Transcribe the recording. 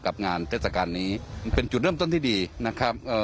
กับงานเทศกาลนี้เป็นจุดเริ่มต้นที่ดีนะครับเอ่อ